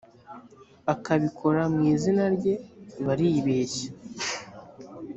akabikora mu izina rye baribeshya